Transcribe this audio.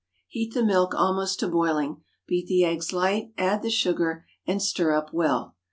Heat the milk almost to boiling, beat the eggs light, add the sugar, and stir up well.